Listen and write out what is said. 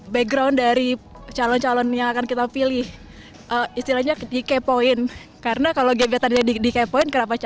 background dari calon calon yang akan kita pilih istilahnya dikepoin karena kalau gebetannya dikepoint